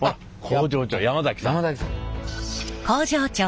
工場長の山崎さん。